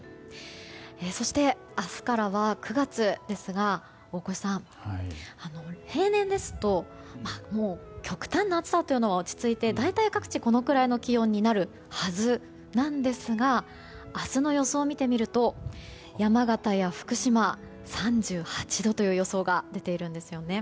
そして、明日からは９月ですが大越さん、平年ですともう、極端な暑さというのは落ち着いて大体、各地このくらいの気温になるはずなんですが明日の予想を見てみると山形や福島、３８度という予想が出ているんですよね。